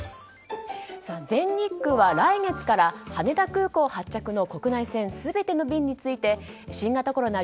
全日空は来月から羽田空港発着の国内線全ての便について新型コロナ